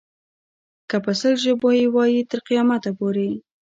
که په سل ژبو یې وایې تر قیامته پورې.